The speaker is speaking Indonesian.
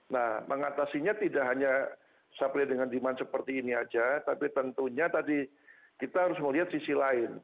nah mengatasinya tidak hanya supply dengan demand seperti ini aja tapi tentunya tadi kita harus melihat sisi lain